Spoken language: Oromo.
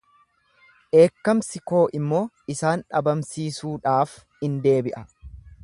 Dheekkamsi koo immoo isaan dhabamsiisuudhaaf in deebi'a.